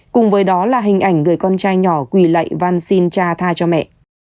cùng với đó là hình ảnh người con trai nhỏ quỳ lậy văn xin cha tha cho mẹ